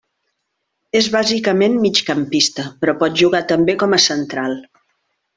És bàsicament migcampista, però pot jugar també com a central.